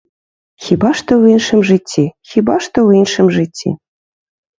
Хіба што ў іншым жыцці, хіба што ў іншым жыцці.